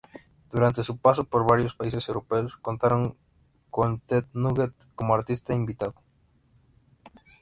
Durante su paso por varios países europeos contaron con Ted Nugent como artista invitado.